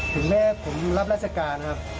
ถึงแม้ผมรับราชการครับ